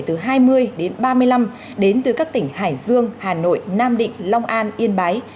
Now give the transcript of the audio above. từ hai mươi đến ba mươi năm đến từ các tỉnh hải dương hà nội nam định long an yên bái